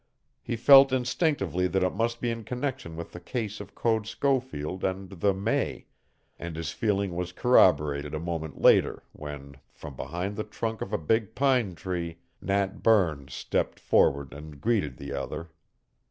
He felt instinctively that it must be in connection with the case of Code Schofield and the May, and his feeling was corroborated a moment later when, from behind the trunk of a big pine tree, Nat Burns stepped forward and greeted the other.